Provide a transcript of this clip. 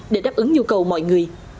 để đáp ứng nhu cầu mọi người